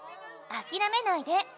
あきらめないで。